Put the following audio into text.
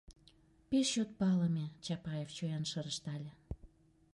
Пеш чот палыме, — Чапаев чоян шыр ыштале.